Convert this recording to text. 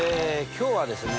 今日はですね